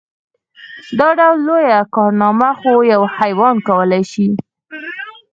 دا ډول لويه کارنامه خو يو حيوان کولی شي.